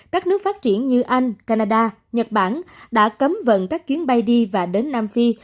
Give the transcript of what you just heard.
các nước phát triển như anh canada nhật bản đã cấm vận các chuyến bay đi và đến nam phi